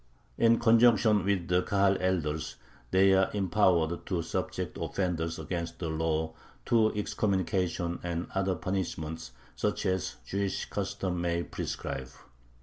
In conjunction with the Kahal elders they are empowered to subject offenders against the law to excommunication and other punishments, such as the Jewish customs may prescribe.